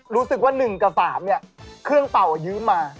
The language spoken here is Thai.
รู้สึกว่าหนึ่งกับสามเครื่องเป่ายืมมา